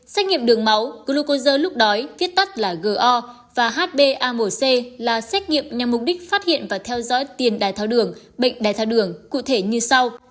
xách nghiệm đường máu glucosa lúc đói viết tắt là go và hba một c là xách nghiệm nhằm mục đích phát hiện và theo dõi tiền đài tháo đường bệnh đài tháo đường cụ thể như sau